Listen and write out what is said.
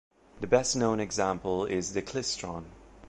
The best known example is the klystron.